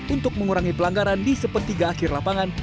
untuk mengurangi pelanggaran di sepertiga akhir lapangan